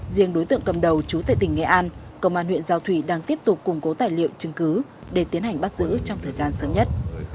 riêng đối tượng cầm đầu chú tại tỉnh nghệ an công an huyện giao thủy đang tiếp tục củng cố tài liệu chứng cứ để tiến hành bắt giữ trong thời gian sớm nhất